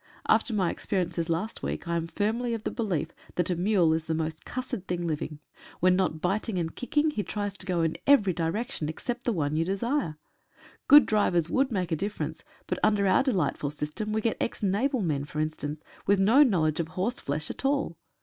After my experi ences last week I am firmly of the belief that a mule is the most cussed thing living. When not biting and 152 THE KING'S MESSAGE. kicking he tries to go in every direction, except the one you desire. Good drivers would make a difference, but under our delightful system we get ex naval men, for instance, with no knowledge of horseflesh at all.